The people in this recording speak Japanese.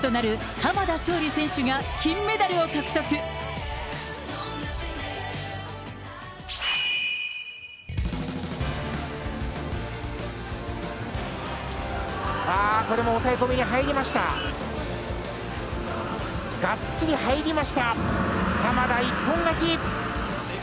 浜田、一本勝ち。